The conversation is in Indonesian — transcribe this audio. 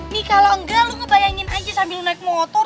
nih kalau enggak lo bayangin aja sambil naik motor